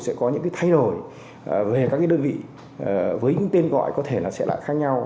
sẽ có những cái thay đổi về các cái đơn vị với những tên gọi có thể nó sẽ lại khác nhau